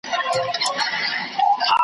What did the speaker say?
هره چیغه یې رسېږي له کوډلو تر قصرونو .